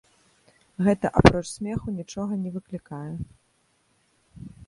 Гэта апроч смеху нічога не выклікае.